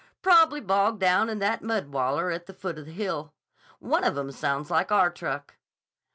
Prob'ly bogged down in that mud waller at the foot of the hill. One of 'em sounds like our truck."